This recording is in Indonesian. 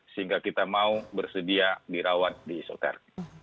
sehingga kita mau bersedia dirawat di isoter